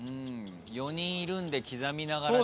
４人いるんで刻みながらですね。